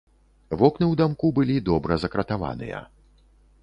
Вокны ў дамку былі добра закратаваныя.